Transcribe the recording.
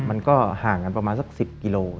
มันก็ห่างกันประมาณสัก๑๐กิโล